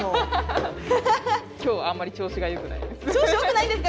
今日あんまり調子がよくないです。